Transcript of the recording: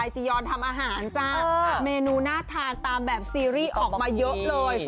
จียอนทำอาหารจ้าเมนูน่าทานตามแบบซีรีส์ออกมาเยอะเลย